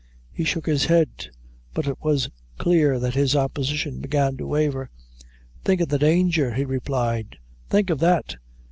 He shook his head, but it was clear that his opposition began to waver. "Think of the danger," he replied; "think of that.